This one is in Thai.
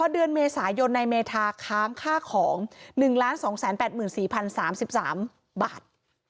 เดือนเมษายนนายเมธาค้างค่าของ๑๒๘๔๐๓๓บาท